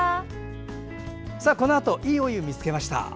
さあ、このあと「＃いいお湯見つけました」。